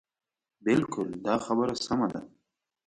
بلکل دا خبره سمه ده.